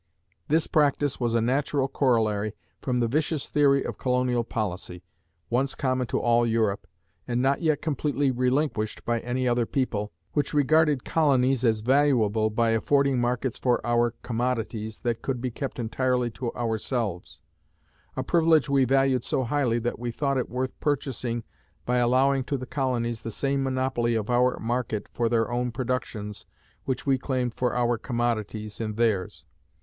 This practice was a natural corollary from the vicious theory of colonial policy once common to all Europe, and not yet completely relinquished by any other people which regarded colonies as valuable by affording markets for our commodities that could be kept entirely to ourselves; a privilege we valued so highly that we thought it worth purchasing by allowing to the colonies the same monopoly of our market for their own productions which we claimed for our commodities in theirs.